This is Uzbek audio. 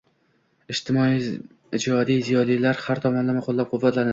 ilmiy-ijodiy ziyolilar har tomonlama qo‘llab-quvvatlanadi.